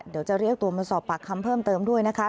เดี๋ยวจะเรียกตัวมาสอบปากคำเพิ่มเติมด้วยนะคะ